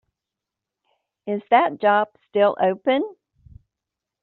Is that job still open?